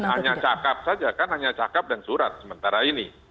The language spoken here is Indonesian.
hanya cakap saja kan hanya cakap dan surat sementara ini